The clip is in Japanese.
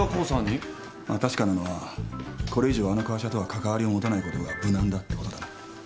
まあ確かなのはこれ以上あの会社とはかかわりを持たないことが無難だってことだな。